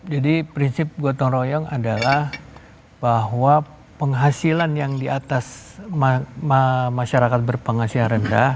jadi prinsip gotong royong adalah bahwa penghasilan yang di atas masyarakat berpenghasilan rendah